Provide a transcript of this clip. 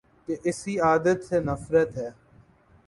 کی اسی عادت سے نفرت ہے